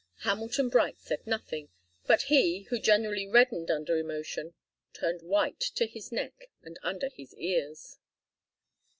Hamilton Bright said nothing, but he, who generally reddened under emotion, turned white to his neck and under his ears.